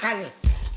nih makan nih